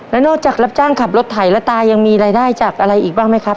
แล้วนอกจากรับจ้างขับรถไถแล้วตายังมีรายได้จากอะไรอีกบ้างไหมครับ